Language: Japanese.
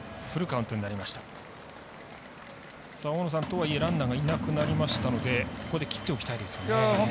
とはいえランナーがいなくなりましたのでここで切っておきたいですよね。